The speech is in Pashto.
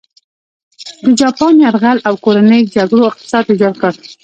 د جاپان یرغل او کورنۍ جګړو اقتصاد ویجاړ کړ.